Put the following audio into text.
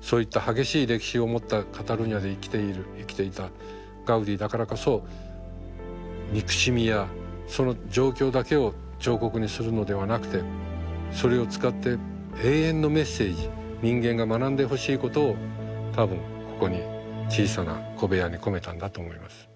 そういった激しい歴史を持ったカタルーニャで生きていたガウディだからこそ憎しみやその状況だけを彫刻にするのではなくてそれを使って永遠のメッセージ人間が学んでほしいことを多分ここに小さな小部屋に込めたんだと思います。